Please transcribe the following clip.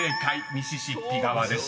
「ミシシッピ川」です］